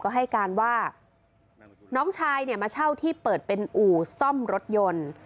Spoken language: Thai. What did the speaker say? ก็ให้การว่าน้องชายเนี่ยมาเช่าที่เปิดเป็นอู่ซ่อมรถยนต์